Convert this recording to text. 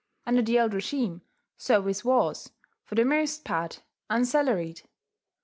Under the old regime service was, for the most part, unsalaried.